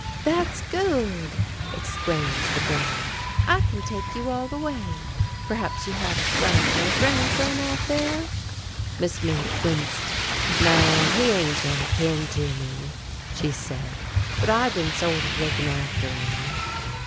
"That's good!" exclaimed the girl. "I can take you all the way. Perhaps you have a son or a grandson out there?" Miss Mink winced. "No, he ain't any kin to me," she said, "but I been sort of looking after him."